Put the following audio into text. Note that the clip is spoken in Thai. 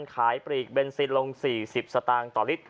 ปลีกเบนซินลง๔๐สตางค์ต่อลิตร